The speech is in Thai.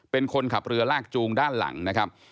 เป็นคนขับเรือลากจูงด้านหลังนะครับ